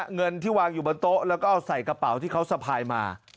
เงินที่วางอยู่บนโต๊ะแล้วก็เอาใส่กระเป๋าที่เขาสะพายมา